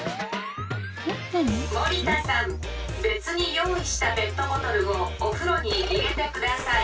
「森田さん別に用意したペットボトルをおふろに入れてクダサイ」。